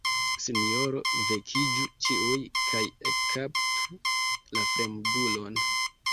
Sinjoro Vekiĝu ĉiuj kaj ekkaptu la fremdulon!